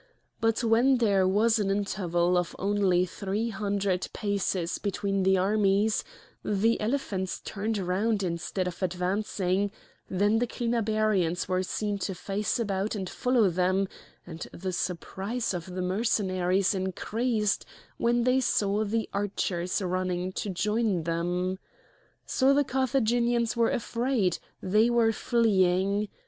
But when there was an interval of only three hundred paces between the armies, the elephants turned round instead of advancing; then the Clinabarians were seen to face about and follow them; and the surprise of the Mercenaries increased when they saw the archers running to join them. So the Carthaginians were afraid, they were fleeing!